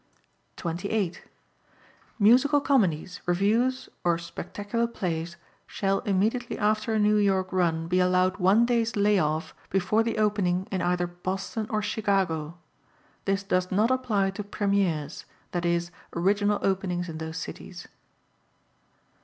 28. Musical comedies, revues or spectacular plays shall immediately after a New York run be allowed one day's lay off before the opening in either Boston or Chicago. This does not apply to premieres, i.e., original openings in those cities.